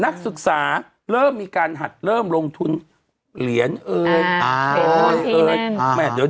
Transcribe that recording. ๒นักศึกษาเริ่มมีการหัดเริ่มลงทุนเหรียญเอ่ย